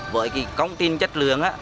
với công tin chất lượng